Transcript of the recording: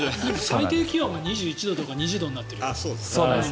最低気温が２１度とか２０度になってくる。